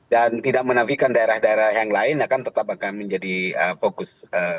dan tidak menafikan daerah daerah yang lain akan tetap akan menjadi fokus